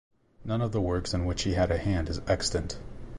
None of the works in which he had a hand is extant.